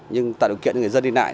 nhưng tạo điều kiện cho người dân đi lại